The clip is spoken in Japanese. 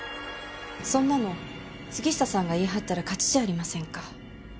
そんなの杉下さんが言い張ったら勝ちじゃありませんか。